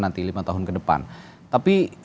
nanti lima tahun ke depan tapi